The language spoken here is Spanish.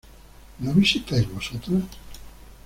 ¿No visitáis vosotras?